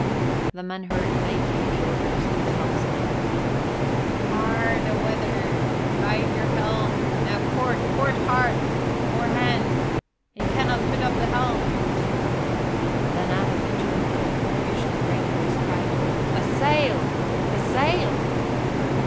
The men heard faintly the orders to the helmsman, "Hard a weather! Right your helm! Now port, port hard! More hands! He cannot put up the helm!" Then out of the turmoil and confusion a great voice cried, "A sail! A sail!"